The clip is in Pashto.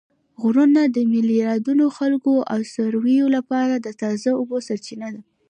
غرونه د میلیاردونو خلکو او څارویو لپاره د تازه اوبو سرچینه ده